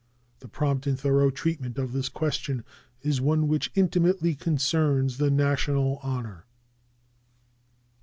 The prompt and thorough treatment of this question is one which intimately concerns the national honor.